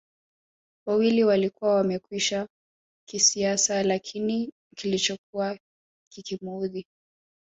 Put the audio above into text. wawili walikuwa wamekwisha kisiasa Lakini kilichokuwa kikimuudhi